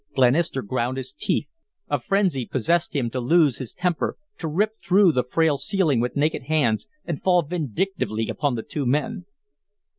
Glenister ground his teeth a frenzy possessed him to loose his anger, to rip through the frail ceiling with naked hands and fall vindictively upon the two men.